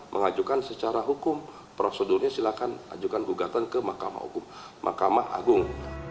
mengajukan secara hukum prosedurnya silakan ajukan gugatan ke mahkamah agung